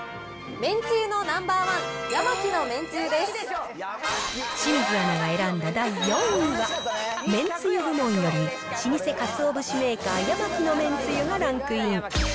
めんつゆのナンバーワン、清水アナが選んだ第４位は、めんつゆ部門より、老舗かつお節メーカー、ヤマキのめんつゆがランクイン。